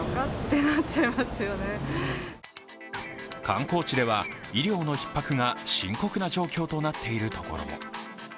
観光地では医療のひっ迫が深刻な状況となっている所も。